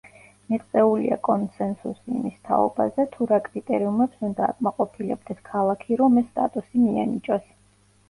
მიღწეულია კონსენსუსი იმის თაობაზე, თუ რა კრიტერიუმებს უნდა აკმაყოფილებდეს ქალაქი, რომ ეს სტატუსი მიენიჭოს.